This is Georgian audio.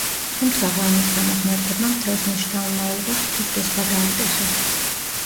თუმცაღა, ამის გამო ღმერთებმა მთელს მის შთამომავლობას ღვთის რისხვა დაატეხეს.